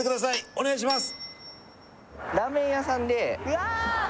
お願いします